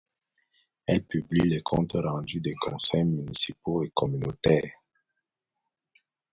Elle publie les comptes rendu des conseils municipaux et communautaires.